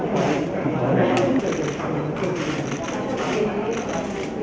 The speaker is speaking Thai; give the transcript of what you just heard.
อ๋อไม่มีพิสิทธิ์